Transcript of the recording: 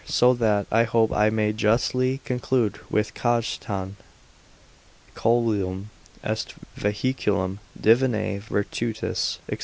So that, I hope, I may justly conclude with Cajetan, Coelum est vehiculum divinae virtutis, &c.